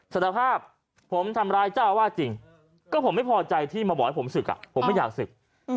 สารภาพผมทำร้ายเจ้าอาวาสจริงก็ผมไม่พอใจที่มาบอกให้ผมศึกผมไม่อยากศึก